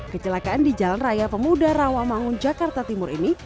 kecelakaan di jalan raya pemuda rawamangun jakarta timur ini